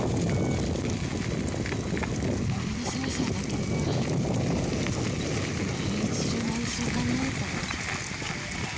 「俺の世話さえなければお前は一流の演奏家になれたのに」。